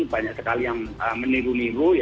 banyak sekali yang meniru niru